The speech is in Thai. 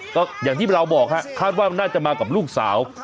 ก็อย่างที่เราบอกฮะคาดว่าน่าจะมากับลูกสาว